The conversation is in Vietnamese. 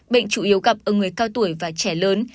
bệnh chủ yếu gặp ở người cao tuổi và trẻ lớn